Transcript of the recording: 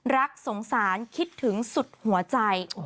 รักสงสารคิดถึงสุดหัวใจ